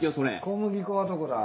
小麦粉はどこだ？